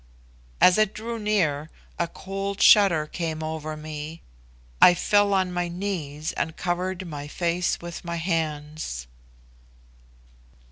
As it drew near, a cold shudder came over me. I fell on my knees and covered my face with my hands.